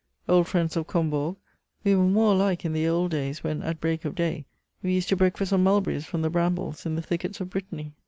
Old friends of Combourg, we were more alike in the old days when, at break of day, we used to breakfast on mulberries from the brambles in the thickets of Brittany!